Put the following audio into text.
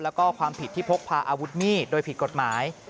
แล้วก็ความผิดที่พกพาอาวุธมีดโดยผิดกฎหมาย